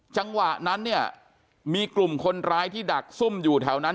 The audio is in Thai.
จังหวะนั้นเนี่ยมีกลุ่มคนร้ายที่ดักซุ่มอยู่แถวนั้น